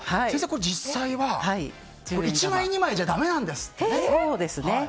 これ実際は１枚、２枚じゃだめなんですってね。